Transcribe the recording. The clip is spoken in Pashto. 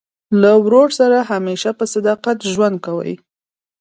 له ورور سره همېشه په صداقت ژوند کوئ!